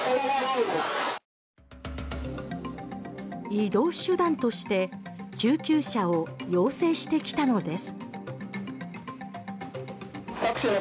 移動手段として救急車を要請してきたのです。